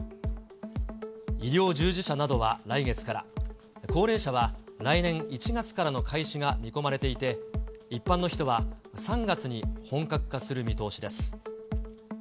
医療従事者などは来月から、こうれいしゃはらいねん１月からの開始が見込まれていて、一般の人は３月に本格化する見通しです。